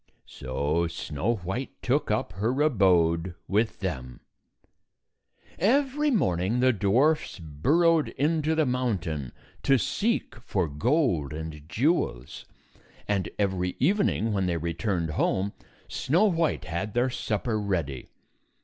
So Snow White took up her abode with them. Every morning the dwarfs burrowed into the mountain to seek for gold and jewels, and every evening, when they returned home, Snow White had their supper ready.